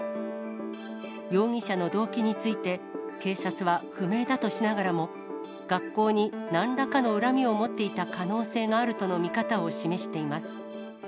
容疑者の動機について、警察は不明だとしながらも、学校になんらかの恨みを持っていた可能性があるとの見方を示しています。